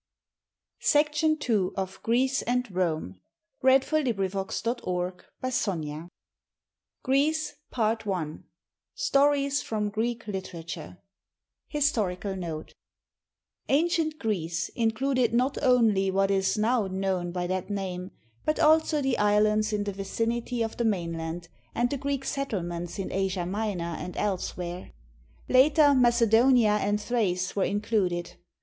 s Rochegrosse 540 Justinian in Council ... Jean Joseph Benjamin Constant 548 GREECE I STORIES FROM GREEK LITERATURE HISTORICAL NOTE Ancient Greece included not only what is now known by that name, but also the islands in the vicinity of the main land, and the Greek settlements in Asia Minor and elsewhere. Later, Macedonia and Thrace were included.